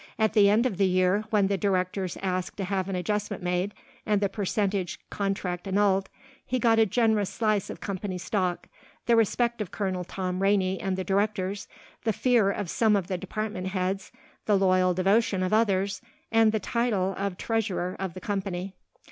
At the end of the year, when the directors asked to have an adjustment made and the percentage contract annulled, he got a generous slice of company stock, the respect of Colonel Tom Rainey and the directors, the fear of some of the department heads, the loyal devotion of others, and the title of Treasurer of the company.